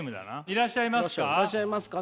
いらっしゃいますかね？